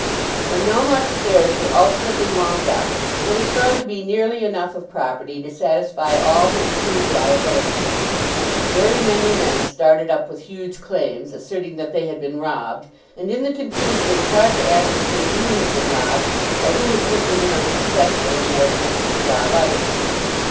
When Melmotte's affairs were ultimately wound up there was found to be nearly enough of property to satisfy all his proved liabilities. Very many men started up with huge claims, asserting that they had been robbed, and in the confusion it was hard to ascertain who had been robbed, or who had simply been unsuccessful in their attempts to rob others.